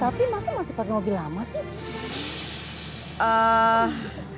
tapi masa masih pakai mobil lama sih